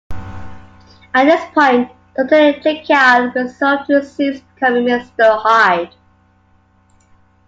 At this point, Doctor Jekyll resolved to cease becoming Mr. Hyde.